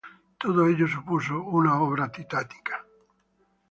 Todo ello supuso una obra titánica.